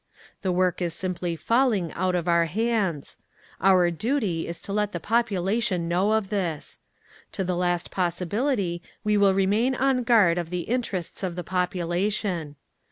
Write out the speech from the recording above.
"The work is simply falling out of our hands. "OUR DUTY is to let the population know of this. "To the last possibility we will remain on guard of the interests of the population.